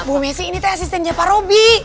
bu messi ini asistennya pak robi